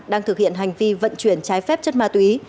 đang thực hiện hành vi vận chuyển trái phép chất ma túy